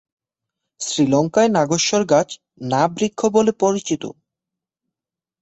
শ্রীলঙ্কায় নাগেশ্বর গাছ 'না' বৃক্ষ বলে পরিচিত।